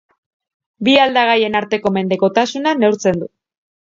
Bi aldagaien arteko mendekotasuna neurtzen du.